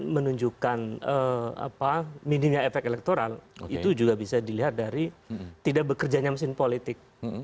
menunjukkan minimnya efek elektoral itu juga bisa dilihat dari tidak bekerjanya mesin politik